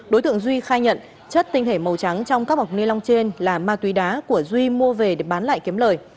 đối tượng duy khai nhận chất tinh thể màu trắng trong các bọc ni lông trên là ma túy đá của duy mua về để bán lại kiếm lời